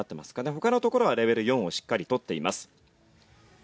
他のところはレベル４をしっかり取っています。